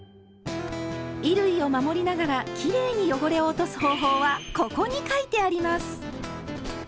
衣類を守りながらきれいに汚れを落とす方法は「ここ」に書いてあります！